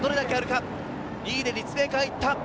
２位で立命館、行った。